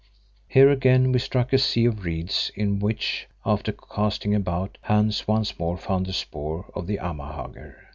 Here again we struck a sea of reeds in which, after casting about, Hans once more found the spoor of the Amahagger.